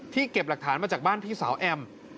เก็บหลักฐานมาจากบ้านพี่สาวแอม